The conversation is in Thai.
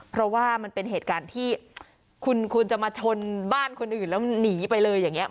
เพราะว่าเป็นเหตุการณ์ที่คุณจะมาชนบ้านคนอื่นแล้วหนีไปเลย